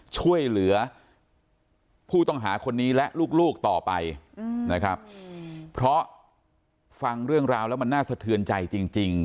ช่วยเหลือผู้ต้องหาคนนี้และลูกต่อไปนะครับเพราะฟังเรื่องราวแล้วมันน่าสะเทือนใจจริง